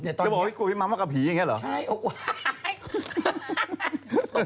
จะบอกว่ากลัวพี่มั๊กมักกับผีอย่างนี้เหรอใช่โอ๊ย